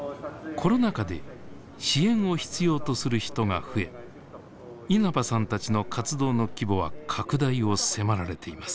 コロナ禍で支援を必要とする人が増え稲葉さんたちの活動の規模は拡大を迫られています。